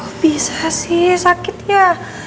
oh bisa sih sakit ya